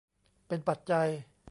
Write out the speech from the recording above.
เป็นปัจจัย